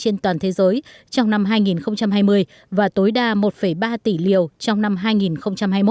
trên toàn thế giới trong năm hai nghìn hai mươi và tối đa một ba tỷ liều trong năm hai nghìn hai mươi một